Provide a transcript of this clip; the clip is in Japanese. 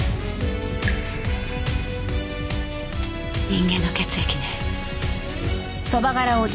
人間の血液ね。